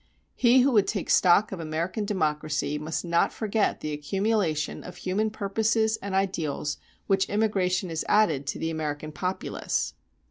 He who would take stock of American democracy must not forget the accumulation of human purposes and ideals which immigration has added to the American populace.